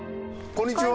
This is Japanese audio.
こんにちは。